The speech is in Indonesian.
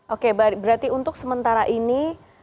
oke berarti untuk sementara ini